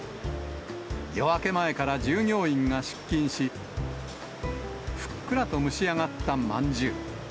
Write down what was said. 夜明け前から従業員が出勤し、ふっくらと蒸し上がったまんじゅう。